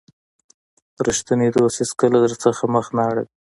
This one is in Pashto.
رښتینی دوست هیڅکله درڅخه مخ نه اړوي.